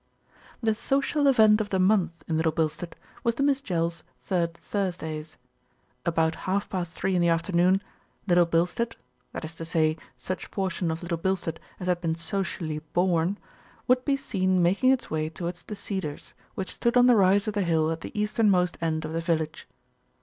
The social event of the month in Little Bilstead was the Miss Jells' Third Thursdays. About half past three in the afternoon, Little Bilstead, that is to say such portion of Little Bilstead as had been socially "born," would be seen making its way towards The Cedars, which stood on the rise of the hill at the eastern most end of the village.